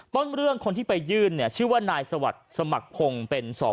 ต้นเรื่องคนที่ไปยื่นเนี่ยชื่อว่านายสวัสดิ์สมัครพงศ์เป็นสอบ